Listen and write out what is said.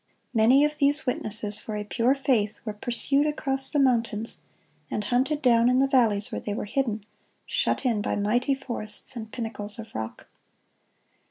Many of these witnesses for a pure faith were pursued across the mountains, and hunted down in the valleys where they were hidden, shut in by mighty forests and pinnacles of rock.